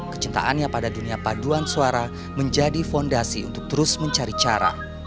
kecintaannya pada dunia paduan suara menjadi fondasi untuk terus mencari cara